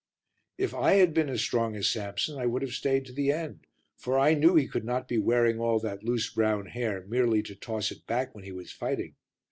If I had been as strong as Samson I would have stayed to the end, for I knew he could not be wearing all that loose, brown hair merely to toss it back when he was fighting.